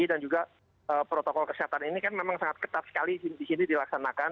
dan juga protokol kesehatan ini kan memang sangat ketat sekali di sini dilaksanakan